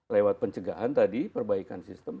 lewat pencegahan tadi perbaikan sistem